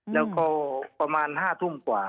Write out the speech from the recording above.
แล้วก็ประมาณ๕ทุ่มกว่า